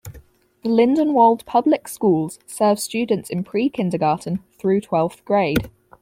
The Lindenwold Public Schools serve students in pre-kindergarten through twelfth grade.